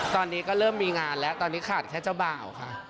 ตอนนี้ก็เริ่มมีงานแล้วตอนนี้ขาดแค่เจ้าบ่าวค่ะ